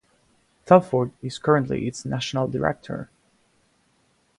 Telford is currently its National Director.